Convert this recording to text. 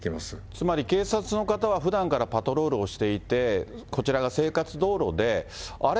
つまり警察の方はふだんからパトロールをしていて、こちらが生活道路で、あれ？